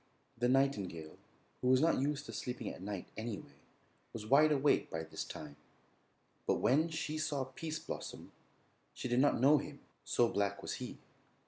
The nightingale, who was not used to sleeping at night, anyway, was wide awake by this time, but when she saw Pease Blossom she did not know him, so black was he.